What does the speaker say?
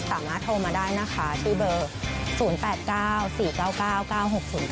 สามารถโทรมาได้นะคะที่เบอร์๐๘๙๔๙๙๙๙๖๐๙